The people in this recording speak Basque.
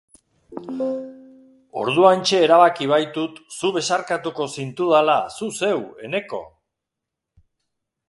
Orduantxe erabaki baitut zu besarkatuko zintudala, zu zeu, Eneko!